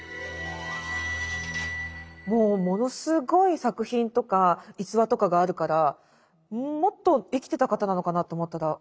もうものすごい作品とか逸話とかがあるからもっと生きてた方なのかなと思ったらまだまだ２０代。